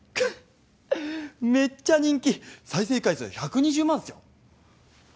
めっちゃ人気再生回数１２０万っすよ